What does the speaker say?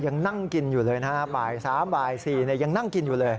ยังนั่งกินอยู่เลยนะฮะบ่าย๓บ่าย๔ยังนั่งกินอยู่เลย